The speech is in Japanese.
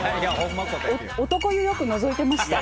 男湯、よくのぞいてました。